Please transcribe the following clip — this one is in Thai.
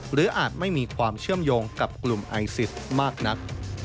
อาจไม่มีความเชื่อมโยงกับกลุ่มไอซิสมากนัก